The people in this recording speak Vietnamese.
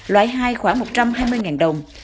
loại hai khoảng một trăm hai mươi đồng